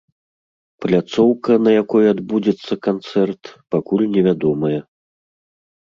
Пляцоўка, на якой адбудзецца канцэрт, пакуль невядомая.